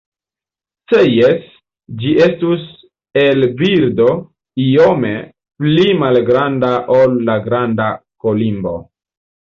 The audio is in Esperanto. Se jes, ĝi estus el birdo iome pli malgranda ol la Granda kolimbo.